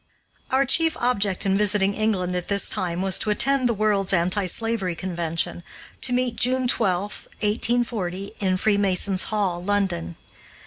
Our chief object in visiting England at this time was to attend the World's Anti slavery Convention, to meet June 12, 1840, in Freemasons' Hall, London.